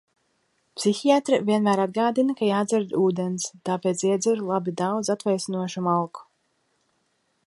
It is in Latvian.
Psihiatre vienmēr atgādina, ka jādzer ūdens, tāpēc iedzeru labi daudz atvēsinošu malku.